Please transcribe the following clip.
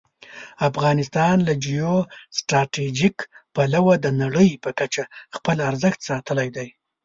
افغانستان له جیو سټراټژيک پلوه د نړۍ په کچه خپل ارزښت ساتلی دی.